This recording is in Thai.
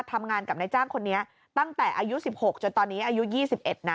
ทำงานกับนายจ้างคนนี้ตั้งแต่อายุ๑๖จนตอนนี้อายุ๒๑นะ